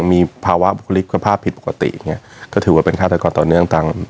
ยังมีภาวะบุคลิกความภาพผิดปกติอย่างเงี้ยก็ถือว่าเป็นฆ่าตากรต่อเนื่องตาม